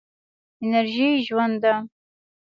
انرژي ژوند ده.